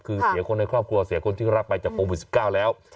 คือเสียคนในครอบครัวเสียคนที่รับไปจากโควิด๑๙แล้ว